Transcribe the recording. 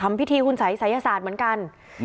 ทำพิธีหุ้นศัยศัยศาสตร์เหมือนกัน